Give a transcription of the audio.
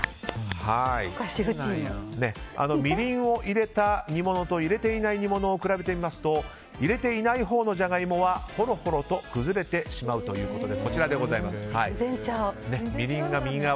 みりんを入れた煮物と入れていない煮物を比べてみますと入れていないほうのジャガイモはホロホロと崩れてしまうということでみりんが右側。